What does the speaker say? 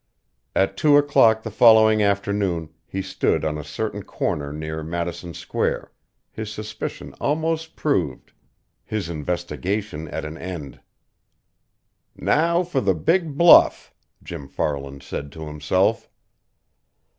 At two o'clock the following afternoon he stood on a certain corner near Madison Square, his suspicion almost proved, his investigation at an end. "Now for the big bluff!" Jim Farland said to himself.